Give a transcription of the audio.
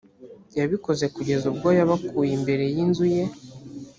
yabikoze kugeza ubwo yabakuye imbere y’inzu ye